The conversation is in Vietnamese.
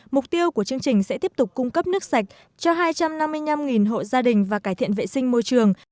mục tiêu của chương trình sẽ tiếp tục cung cấp nước sạch cho hai trăm năm mươi năm hộ gia đình và cải thiện vệ sinh môi trường